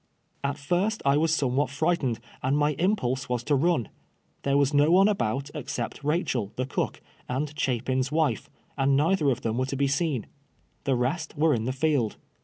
Atlirst I was somewhat frightened, and my impulse was to run. There was no one about except Rachel, the cook, and Chapin's wife, and neither of them were to be seen, Tlie rest were in the field.